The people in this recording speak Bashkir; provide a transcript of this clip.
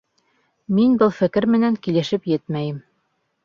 Мин был фекер менән килешеп етмәйем.